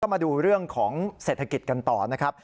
มาดูเรื่องของเศรษฐกิจกันต่อนะครับ